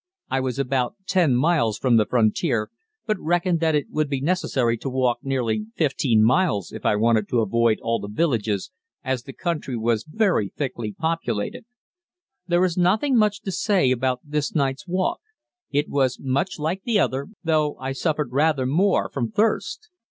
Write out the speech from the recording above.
I was about 10 miles from the frontier, but reckoned that it would be necessary to walk nearly 15 miles if I wanted to avoid all the villages, as the country was very thickly populated. There is nothing much to say about this night's walk it was much like the other, though I suffered rather more from thirst.